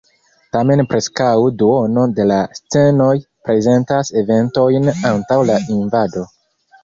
Tamen preskaŭ duono de la scenoj prezentas eventojn antaŭ la invado.